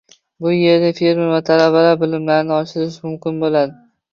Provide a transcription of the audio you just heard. Bu yerda fermer va talabalar bilimlarini oshirishlari mumkin bo‘ladi.